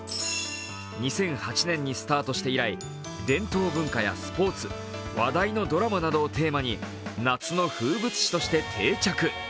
２００８年にスタートして以来、伝統文化やスポ−ツ、話題のドラマなどをテーマに夏の風物詩として定着。